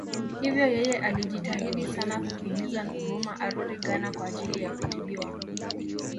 Hivyo yeye alijitahidi sana kuhimiza Nkrumah arudi Ghana kwa ajili ya kutibiwa